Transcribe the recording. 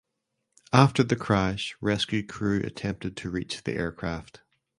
After the crash rescue crew attempted to reach the aircraft.